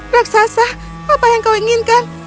raksasa apa yang kau inginkan